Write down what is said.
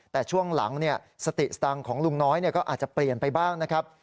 แต่ช่วงหลังสติสตังค์ของลุงน้อยก็อาจจะเปลี่ยนไปบ้างนะครับ